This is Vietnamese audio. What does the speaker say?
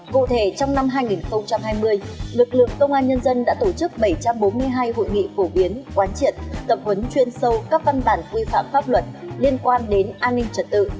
cụ thể trong năm hai nghìn hai mươi lực lượng công an nhân dân đã tổ chức bảy trăm bốn mươi hai hội nghị phổ biến quán triệt tập huấn chuyên sâu các văn bản quy phạm pháp luật liên quan đến an ninh trật tự